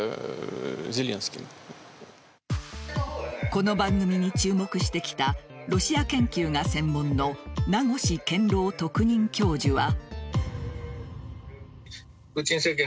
この番組に注目してきたロシア研究が専門の名越健郎特任教授は。